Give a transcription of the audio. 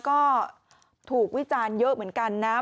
ก็ถูกวิจารณ์เยอะเหมือนกันนะ